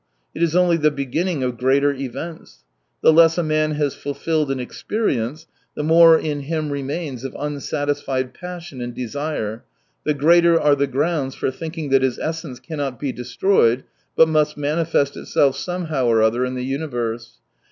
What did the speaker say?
It is only the beginning of greater events. The less a man has fulfilled in experience, the more in him remains of unsatisfied passion and desire, the greater are the grounds for think ing that his essence cannot be destroyed', but must manifest itself somehow or other in the universe.